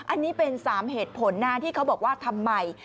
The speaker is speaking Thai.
อันนี้เป็น๓เหตุผลนะที่เขาบอกว่าทำไม